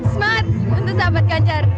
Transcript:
semangat untuk sahabat ganjar